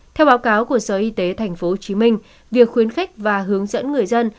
theo báo cáo của sở y tế tp hcm việc khuyến khích và hướng dẫn người dân